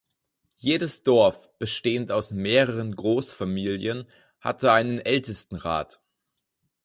Jedes Dorf, bestehend aus mehreren Großfamilien, hatte einen Ältestenrat.